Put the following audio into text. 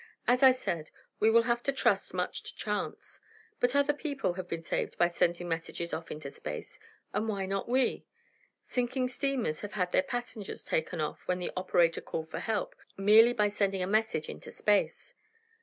"As I said, we will have to trust much to chance. But other people have been saved by sending messages off into space; and why not we? Sinking steamers have had their passengers taken off when the operator called for help, merely by sending a message into space."